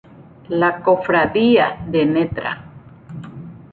La Cofradía de Ntra.